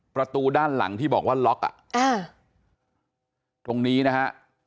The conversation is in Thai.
ประตูด้านหลังที่บอกว่าล็อกอ่ะอ่าตรงนี้นะฮะ